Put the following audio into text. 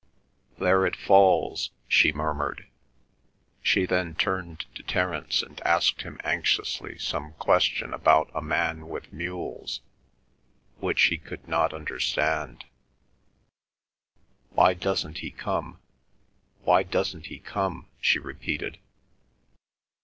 "There it falls!" she murmured. She then turned to Terence and asked him anxiously some question about a man with mules, which he could not understand. "Why doesn't he come? Why doesn't he come?" she repeated.